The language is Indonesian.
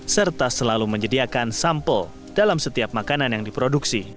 serta selalu menyediakan sampel dalam setiap makanan yang diproduksi